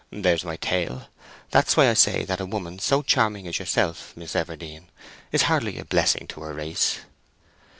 There's my tale. That's why I say that a woman so charming as yourself, Miss Everdene, is hardly a blessing to her race."